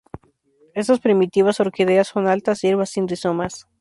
Estas primitivas orquídeas son altas hierbas sin rizomas.